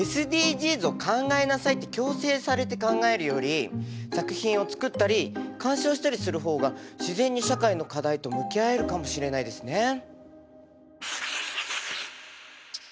「ＳＤＧｓを考えなさい」って強制されて考えるより作品を作ったり鑑賞したりする方が自然に社会の課題と向き合えるかもしれないですね。